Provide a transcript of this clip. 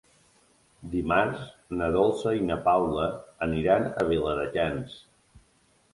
Dimarts na Dolça i na Paula aniran a Viladecans.